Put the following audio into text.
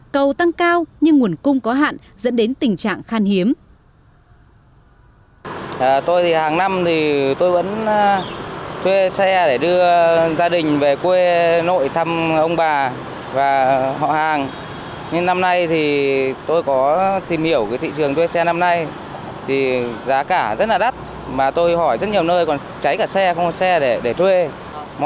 cầu tăng cao nhưng nguồn cung có hạn dẫn đến tình trạng khan hiếm